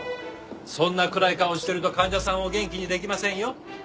そんな暗い顔してると患者さんを元気にできませんよ。